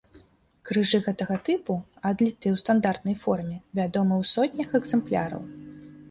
Крыжы гэтага тыпу, адлітыя ў стандартнай форме, вядомы ў сотнях экземпляраў.